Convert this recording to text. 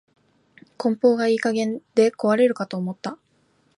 梱包がいい加減で壊れるかと思った